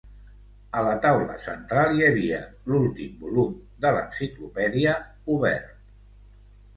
A la taula central hi havia l'últim volum de l'enciclopèdia obert.